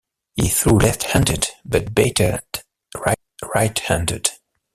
He threw left-handed, but batted right-handed.